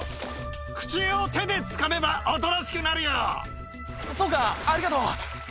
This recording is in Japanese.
口を手でつかめばおとなしくそうか、ありがとう。